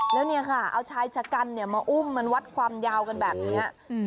แล้วเนี่ยค่ะเอาชายชะกันเนี่ยมาอุ้มมันวัดความยาวกันแบบนี้